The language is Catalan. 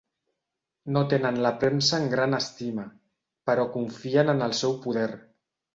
No tenen la premsa en gran estima, però confien en el seu poder.